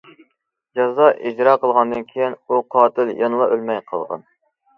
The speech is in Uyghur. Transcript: جازا ئىجرا قىلىنغاندىن كېيىن، ئۇ قاتىل يەنىلا ئۆلمەي قالغان.